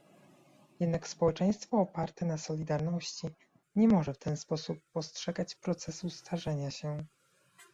Jednak społeczeństwo oparte na solidarności nie może w ten sposób postrzegać procesu starzenia się